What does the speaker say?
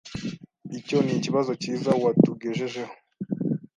Icyo nikibazo cyiza watugejejeho .